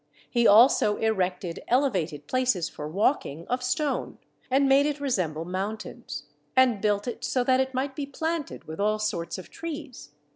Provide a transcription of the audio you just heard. He also erected elevated places for walking, of stone; and made it resemble mountains: and built it so that it might be planted with all sorts of trees.